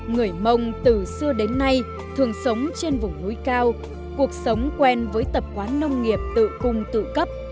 người mông từ xưa đến nay thường sống trên vùng núi cao cuộc sống quen với tập quán nông nghiệp tự cung tự cấp